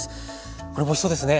これもおいしそうですね。